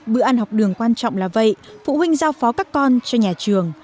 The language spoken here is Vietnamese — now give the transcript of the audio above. bữa ăn học đường quan trọng là vậy phụ huynh giao phó các con cho nhà trường